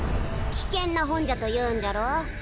危険な本じゃと言うんじゃろう